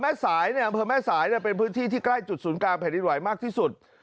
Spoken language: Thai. แม่สายในอำเภอแม่สายเป็นพื้นที่ที่ใกล้จุดศูนย์กลางแผ่นดินไหวมากที่สุด